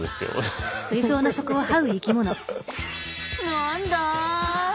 何だ？